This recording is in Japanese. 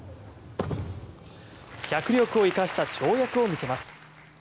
脚力を生かした跳躍を見せます。